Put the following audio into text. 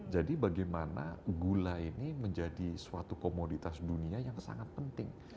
jadi bagaimana gula ini menjadi suatu komoditas dunia yang sangat penting